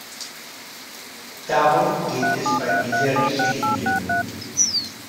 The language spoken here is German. Darum geht es bei dieser Richtlinie.